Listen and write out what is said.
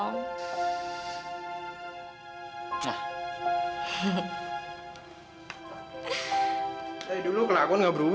dari dulu kelakuan gak berubah ya